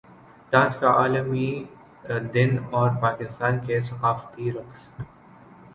dance کا عالمی دن اور پاکستان کے ثقافتی رقص